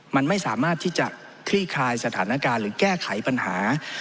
มันไม่สามารถที่จะคลี่คลายสถานการณ์หรือแก้ไขปัญหา